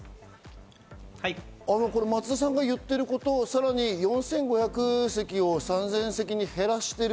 松田さんが言ってることをさらに４５００席を３０００席に減らしてる。